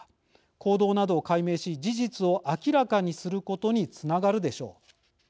行動などを解明し事実を明らかにすることにつながるでしょう。